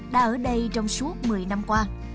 đã ở đây trong suốt một mươi năm qua